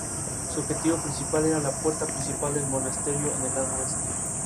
En el combate capturó el buque realista "Paloma".